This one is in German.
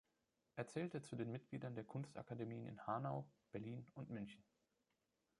Er zählte zu den Mitgliedern der Kunstakademien in Hanau, Berlin und München.